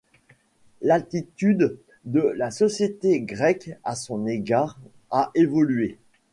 L'attitude de la société grecque à son égard a évolué.